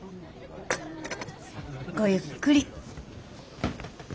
ごゆっくり。